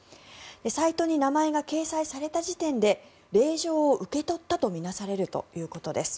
サイトに名前が掲載された時点で令状を受け取ったと見なされるということです。